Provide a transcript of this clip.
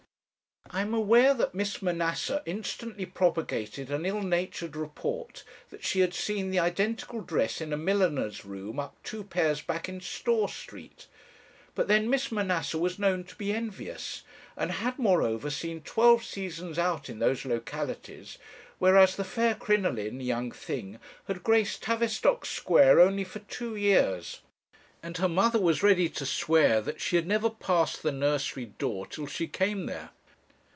I am aware that Miss Manasseh instantly propagated an ill natured report that she had seen the identical dress in a milliner's room up two pairs back in Store Street; but then Miss Manasseh was known to be envious; and had moreover seen twelve seasons out in those localities, whereas the fair Crinoline, young thing, had graced Tavistock Square only for two years; and her mother was ready to swear that she had never passed the nursery door till she came there.